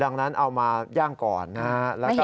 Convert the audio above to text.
ดังนั้นเอามาย่างก่อนนะฮะ